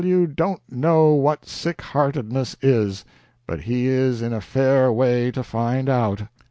W. don't know what sick heartedness is, but he is in a fair way to find out."